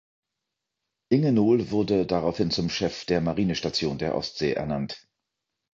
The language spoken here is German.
Ingenohl wurde daraufhin zum Chef der Marinestation der Ostsee ernannt.